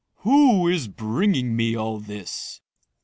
"Who is bringing me all this?"